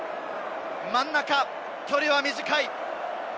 真ん中、距離は短い。